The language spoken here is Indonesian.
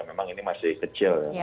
memang ini masih kecil